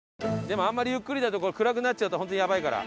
でもあんまりゆっくりだと暗くなっちゃうと本当にやばいから。